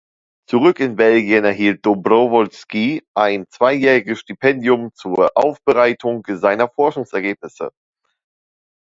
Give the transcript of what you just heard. Zurück in Belgien erhielt Dobrowolski ein zweijähriges Stipendium zur Aufbereitung seiner Forschungsergebnisse.